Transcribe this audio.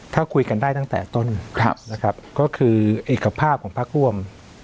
ถ้าคุยกันได้ตั้งแต่ต้นนะครับก็คือเอกภาพของพักร่วม